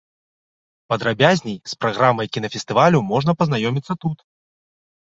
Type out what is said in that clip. Падрабязней з праграмай кінафестывалю можна пазнаёміцца тут.